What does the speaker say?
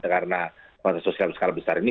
karena sosial berskala besar ini